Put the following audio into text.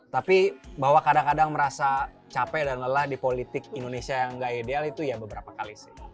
tapi bahwa kadang kadang merasa capek dan lelah di politik indonesia yang gak ideal itu ya beberapa kali sih